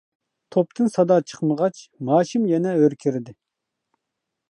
توپتىن سادا چىقمىغاچ ھاشىم يەنە ھۆركىرىدى.